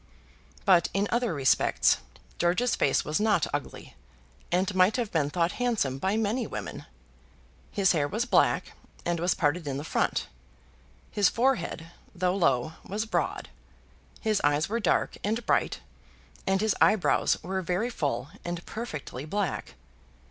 But in other respects George's face was not ugly, and might have been thought handsome by many women. His hair was black, and was parted in the front. His forehead, though low, was broad. His eyes were dark and bright, and his eyebrows were very full, and perfectly black.